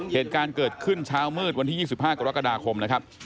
เหตุการณ์เกิดขึ้นเช้ามืดวันที่๒๕กรกฎาคมนะครับ